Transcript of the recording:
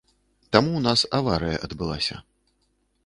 Там у нас аварыя адбылася.